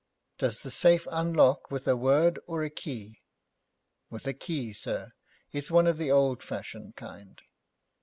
'Does the safe unlock with a word or a key?' 'With a key, sir. It's one of the old fashioned kind.'